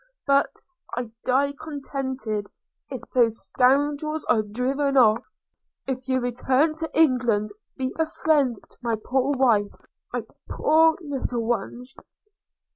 but I die contented if those scoundrels are driven off. – If you return to England, be a friend to my poor wife – to my poor little ones!'